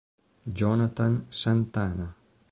Jonathan Santana